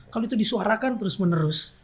kalau itu disuarakan terus menerus